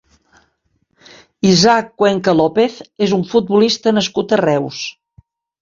Isaac Cuenca López és un futbolista nascut a Reus.